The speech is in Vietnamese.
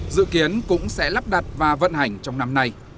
dự kiến cũng sẽ lắp đặt và vận hành trong năm nay